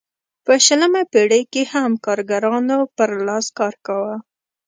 په شلمه پېړۍ کې هم کارګرانو پر لاس کار کاوه.